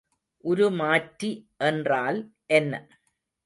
உருமாற்றி என்றால் என்ன?